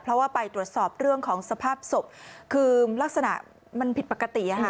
เพราะว่าไปตรวจสอบเรื่องของสภาพศพคือลักษณะมันผิดปกติ